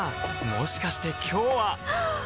もしかして今日ははっ！